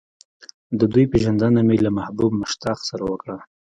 د دوی پېژندنه مې له محبوب مشتاق سره وکړه.